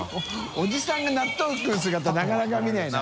犬気鵑納豆食う姿なかなか見ないな。